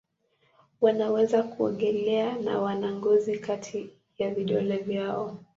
Wanaweza kuogelea na wana ngozi kati ya vidole vyao.